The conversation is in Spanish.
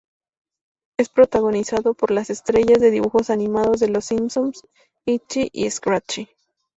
Es protagonizado por las estrellas de dibujos animados de Los Simpson, Itchy y Scratchy.